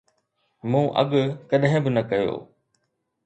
مون اڳ ڪڏهن به نه ڪيو